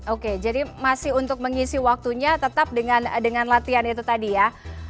oke jadi masih untuk mengisi waktunya tetap dengan latihan itu tadi ya